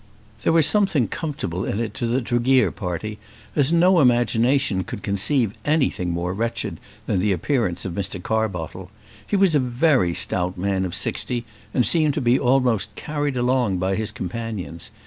There was something comfortable in it to the Tregear party, as no imagination could conceive anything more wretched than the appearance of Mr. Carbottle. He was a very stout man of sixty, and seemed to be almost carried along by his companions.